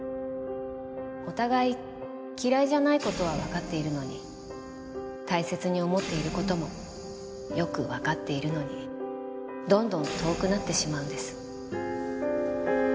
お互い嫌いじゃない事はわかっているのに大切に思っている事もよくわかっているのにどんどん遠くなってしまうんです。